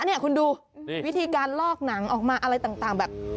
นี่คุณดูวิธีการลอกหนังออกมาอะไรต่างแบบ